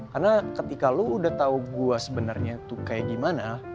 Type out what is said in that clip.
karena ketika lo udah tau gue sebenernya tuh kayak gimana